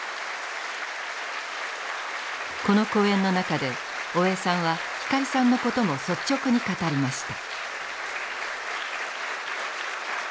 この講演の中で大江さんは光さんのことも率直に語りました。